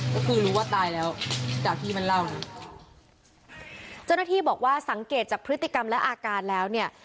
ก็คือรู้ว่าตายแล้วจากที่มันเล่านะเจ้าหน้าที่บอกว่าสังเกตจากพฤติกรรมและอาการแล้วเนี่ย